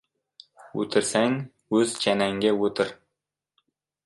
• O‘tirsang, o‘z chanangga o‘tir.